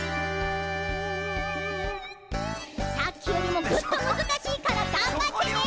さっきよりもぐっとむずかしいからがんばってね。